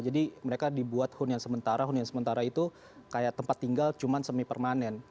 jadi mereka dibuat hunian sementara hunian sementara itu kayak tempat tinggal cuma semi permanen